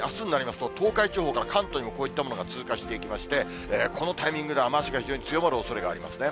特にあすになりますと、東海地方から関東にもこういったものが通過していきまして、このタイミングで雨足が非常に強まるおそれがありますね。